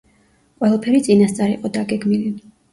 ყველაფერი წინასწარ იყო დაგეგმილი.